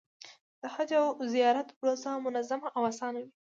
د حج او زیارت پروسه منظمه او اسانه وي.